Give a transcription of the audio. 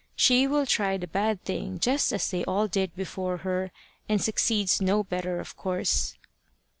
She will try the bad thing just as they all did before her; and succeeds no better of course.